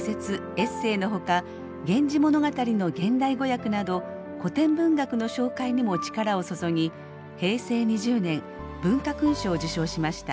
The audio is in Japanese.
エッセーのほか「源氏物語」の現代語訳など古典文学の紹介にも力を注ぎ平成２０年文化勲章を受章しました。